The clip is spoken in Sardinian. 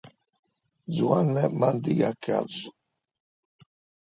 Zuanne mandigat casu.